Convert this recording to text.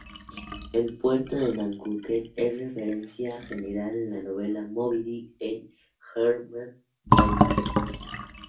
El puerto de Nantucket es referencia general en la novela "Moby-Dick", de Herman Melville.